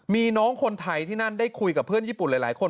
มีน้องคนไทยที่นั่นได้คุยกับเพื่อนญี่ปุ่นหลายคน